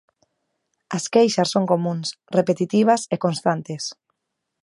As queixas son comúns, repetitivas e constantes.